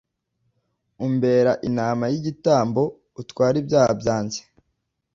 Umbera intama y’igitambo utwara ibyaha byanjye